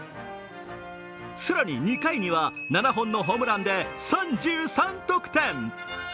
更に、２回には７本のホームランで３３得点。